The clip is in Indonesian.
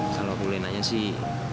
kalau boleh nanya sih